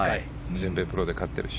全米プロで勝ってるし。